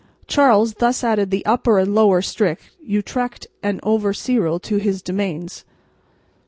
Charles thus added the Upper and Lower Sticht Utrecht and Overyssel to his dominions.